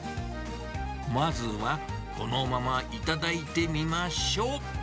まずは、このまま頂いてみましょう。